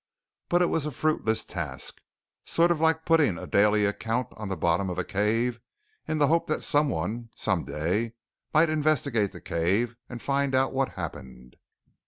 But it was a fruitless task. Sort of like putting a daily account on the bottom of a cave in the hope that someone, someday, might investigate the cave and find out what happened.